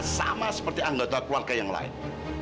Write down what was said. sama seperti anggota keluarga yang lain